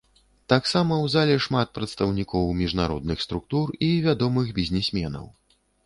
Таксама ў зале шмат прадстаўнікоў міжнародных структур і вядомых бізнесменаў.